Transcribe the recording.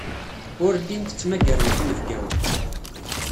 Ur llint ttmagarent inebgawen.